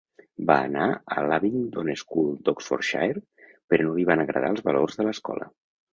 Va anar a l'Abingdon School d'Oxfordshire, però no li van agradar els valors de l'escola.